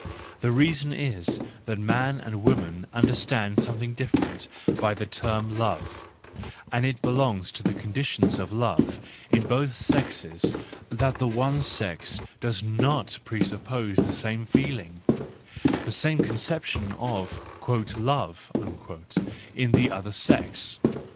The reason is that man and woman understand something different by the term love,—and it belongs to the conditions of love in both sexes that the one sex does not presuppose the same feeling, the same conception of " love/' in the other sex.